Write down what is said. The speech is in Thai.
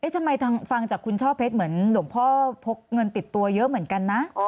ทำไมฟังจากคุณช่อเพชรเหมือนหลวงพ่อพกเงินติดตัวเยอะเหมือนกันนะ